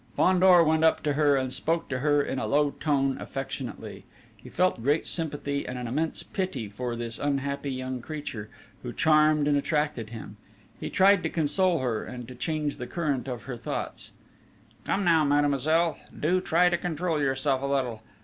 Fandor went up to her, and spoke to her in a low tone affectionately: he felt great sympathy and an immense pity for this unhappy young creature, who charmed and attracted him. He tried to console her, and to change the current of her thoughts: "Come now, Mademoiselle, do try to control yourself a little!